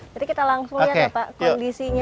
jadi kita langsung lihat ya pak kondisinya